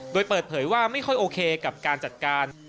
โดยเปิดเผยว่าไม่ค่อยโอเคกับการจัดการ